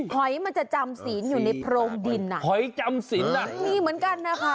หอยมันจะจำศีลอยู่ในโพรงดินอ่ะหอยจำศีลอ่ะมีเหมือนกันนะคะ